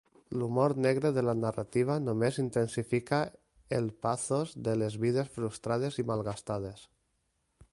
L'humor negre de la narrativa només intensifica el pathos de les vides frustrades i malgastades.